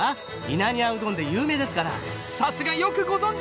稲庭うどんで有名ですからさすがよくご存じ！